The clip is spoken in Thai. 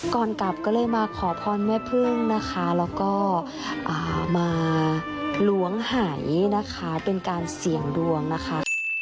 ก่อนกลับก็เลยมาขอพรแม่พึ่งนะคะแล้วก็มาล้วงหายนะคะเป็นการเสี่ยงดวงนะคะ